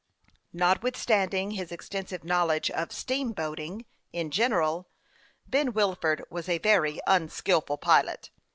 Notwithstanding his extensive knowledge of " steamboating " in general, Ben Wilford was a very unskilful pilot.